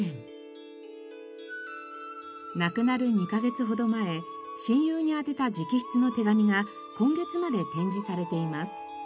亡くなる２カ月ほど前親友に宛てた直筆の手紙が今月まで展示されています。